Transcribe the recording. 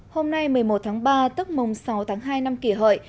hôm nay một mươi một tháng ba tức mùng sáu tháng hai năm kỷ hợi